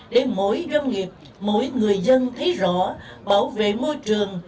để mỗi doanh nghiệp mỗi người dân thấy rõ bảo vệ môi trường